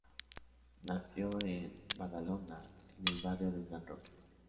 Nació en Badalona, en el barrio de San Roque.